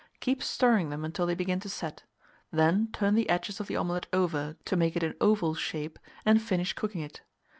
Keep stirring them until they begin to set; then turn the edges of the omelet over, to make it an oval shape, and finish cooking it.